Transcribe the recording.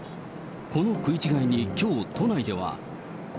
この食い違いにきょう、都内では。